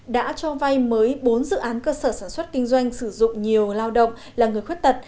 đã cho vay mới bốn dự án cơ sở sản xuất kinh doanh sử dụng nhiều lao động là người khuyết tật